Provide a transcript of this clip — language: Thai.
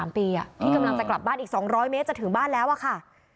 ๓ปีที่กำลังจะกลับบ้านอีก๒๐๐เมตรจะถึงบ้านแล้วอะค่ะ